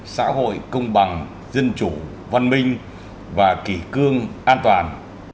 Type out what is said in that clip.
xã hội công bằng dân chủ văn minh và kỳ cương an toàn